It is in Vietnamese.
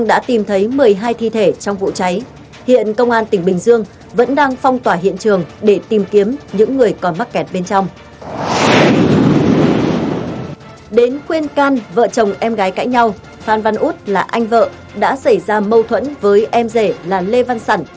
đến khuyên can vợ chồng em gái cãi nhau phan văn út là anh vợ đã xảy ra mâu thuẫn với em rể là lê văn sản